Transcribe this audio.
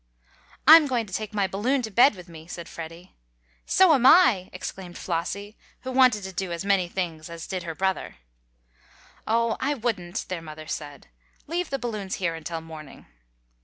"I'm going to take my balloon to bed with me," said Freddie. "So am I!" exclaimed Flossie, who wanted to do as many things as did her brother. "Oh, I wouldn't," their mother said. "Leave the balloons here until morning."